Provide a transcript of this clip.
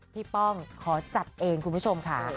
ป้องขอจัดเองคุณผู้ชมค่ะ